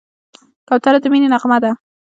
کوتره د مینې نغمه ده.